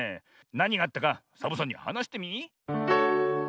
なにがあったかサボさんにはなしてみ。